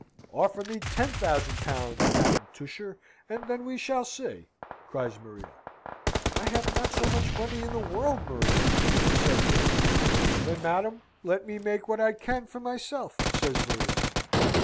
"Offer me ten thousand pounds, Madam Tusher, and then we will see!" cries Maria. "I have not so much money in the world, Maria," said the old lady. "Then, madam, let me make what I can for myself!" says Maria.